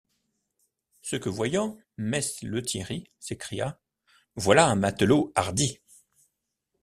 Ce que voyant, mess Lethierry s’écria: Voilà un matelot hardi!